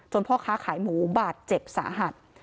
พ่อค้าขายหมูบาดเจ็บสาหัส